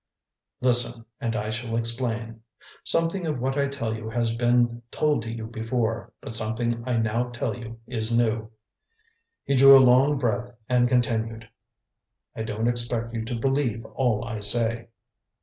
"Listen, and I shall explain. Something of what I tell you has been told to you before, but something I now tell you is new." He drew a long breath and continued: "I don't expect you to believe all I say."